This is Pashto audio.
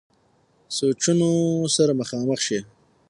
سوچونو سره مخامخ شي -